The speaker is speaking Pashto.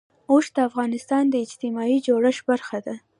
اوښ د افغانستان د اجتماعي جوړښت برخه ده.